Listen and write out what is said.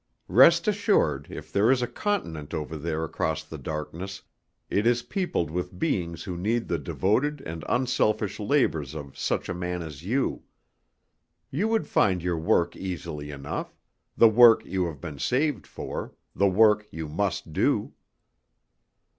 Rest assured if there is a continent over there across the darkness, it is peopled with beings who need the devoted and unselfish labors of such a man as you. You would find your work easily enough, the work you have been saved for, the work you must do."